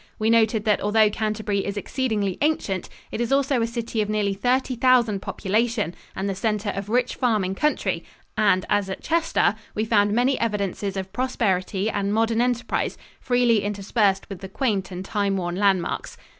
We noted that although Canterbury is exceedingly ancient, it is also a city of nearly thirty thousand population and the center of rich farming country, and, as at Chester, we found many evidences of prosperity and modern enterprise freely interspersed with the quaint and time worn landmarks.